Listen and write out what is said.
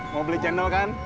mau beli cendol kan